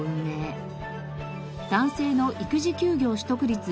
男性の育児休業取得率